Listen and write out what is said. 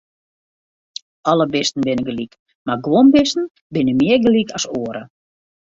Alle bisten binne gelyk, mar guon bisten binne mear gelyk as oare.